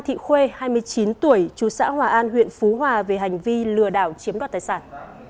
thị khuê hai mươi chín tuổi chú xã hòa an huyện phú hòa về hành vi lừa đảo chiếm đoạt tài sản